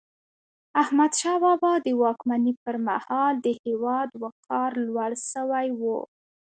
احمدشاه بابا د واکمني پر مهال د هیواد وقار لوړ سوی و.